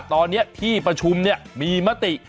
ตอนนี้ที่ประชุมมีมติ